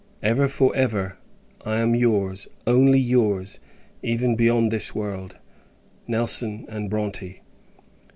Ever, for ever, I am your's, only your's, even beyond this world, NELSON & BRONTE.